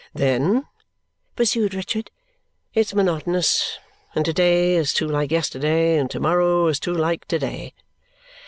"Then," pursued Richard, "it's monotonous, and to day is too like yesterday, and to morrow is too like to day."